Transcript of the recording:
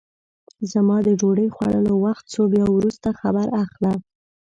زما د ډوډۍ خوړلو وخت سو بیا وروسته خبر اخله!